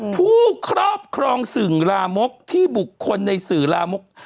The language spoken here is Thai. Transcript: ผู้ครอบครองสื่อลามกที่บุคคลในศิลป์ลามก